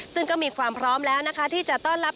ซึ่งก็มีความพร้อมแล้วนะคะที่จะต้อนรับ